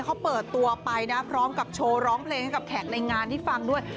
เขาเปิดตัวไปนะพร้อมกับโชว์ร้องเพลงให้กับแขกในงานที่ฟังด้วย